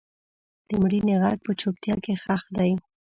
د مړینې غږ په چوپتیا کې ښخ دی.